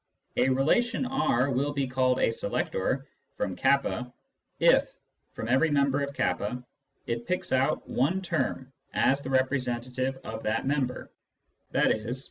A relation R will be called a " selector " from k if, from every member of k, it picks out one term as the representative of that member, i.e.